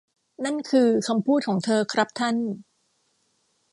นั่นคือคำพูดของเธอครับท่าน